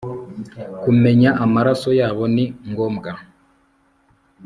kumenya amaraso yabo ni ngombwa